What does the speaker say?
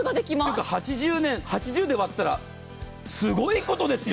というか８０で割ったらすごいことですよ。